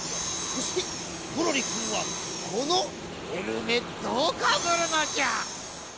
そしてゴロリくんはこのヘルメットをかぶるのじゃ。